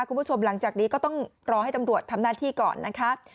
คุณผู้ชมหลังจากนี้ก็ต้องรอให้ตำรวจทำหน้าที่ก่อนนะคะ